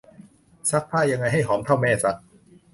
ซักผ้ายังไงให้หอมเท่าแม่ซัก